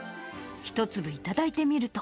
１粒頂いてみると。